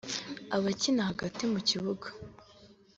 Abakina hagati mu kibuga